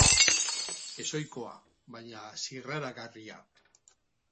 Ez ohikoa, baina zirraragarria.